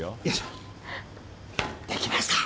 できました！